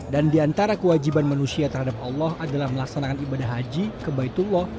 dan diantara kewajiban manusia terhadap allah adalah melaksanakan ibadah haji kebaitullah